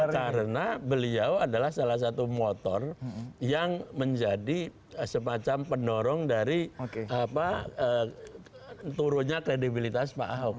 karena beliau adalah salah satu motor yang menjadi semacam penorong dari turunnya kredibilitas pak ahok